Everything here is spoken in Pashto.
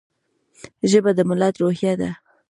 ژبه د ملت روحیه ده.